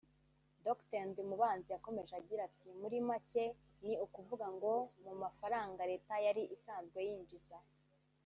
Dr Ndimubanzi yakomeje agira ati “Muri make ni ukuvuga ngo mu mafaranga leta yari isanzwe yinjiza